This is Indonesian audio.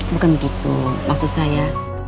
bukan begitu maksud saya